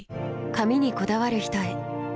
髪にこだわる人へ。